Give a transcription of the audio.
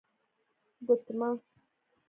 💍 ګوتمه